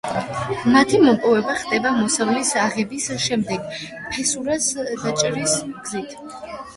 მათი მოპოვება ხდება მოსავლის აღების შემდეგ, ფესურას დაჭრის გზით.